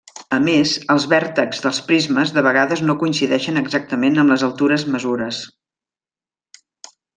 A més, els vèrtexs dels prismes de vegades no coincidien exactament amb les altures mesures.